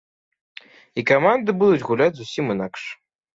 І каманды будуць гуляць зусім інакш.